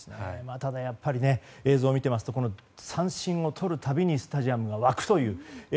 ただ、やっぱり映像を見ていますと三振をとるたびにスタジアムが沸くという。